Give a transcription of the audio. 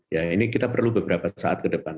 ya ini kita perlu beberapa saat ke depan